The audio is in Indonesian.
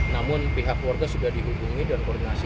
namun pihak warga sudah dihubungi dan koordinasi